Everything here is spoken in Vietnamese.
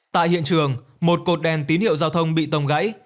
tại hiện trường một cột đèn tín hiệu giao thông bị tông gãy